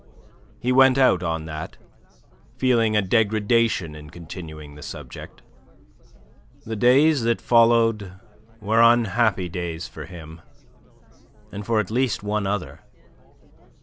He went out on that, feeling a degradation in continuing the subject. The days that followed were unhappy days for him, and for at least one other.